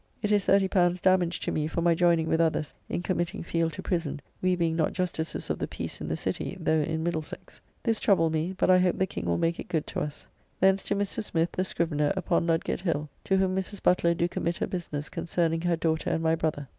It is L30 damage to me for my joining with others in committing Field to prison, we being not justices of the Peace in the City, though in Middlesex; this troubled me, but I hope the King will make it good to us. Thence to Mr. Smith, the scrivener, upon Ludgate Hill, to whom Mrs. Butler do committ her business concerning her daughter and my brother.